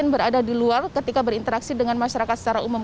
berada di luar ketika berinteraksi dengan masyarakat secara umum